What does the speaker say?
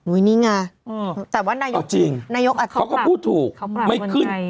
นี่ไงแต่ว่านายกเขาก็พูดถูกไม่ขึ้น